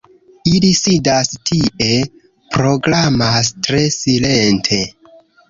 Ili sidas tie, programas tre silente